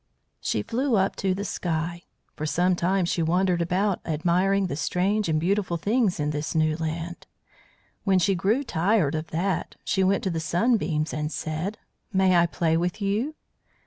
She flew up to the sky. For some time she wandered about admiring the strange and beautiful things in this new land. When she grew tired of that she went to the Sunbeams and said: "May I play with you?"